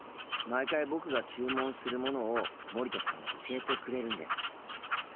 毎回僕が注文するものを森田さんが教えてくれるんです。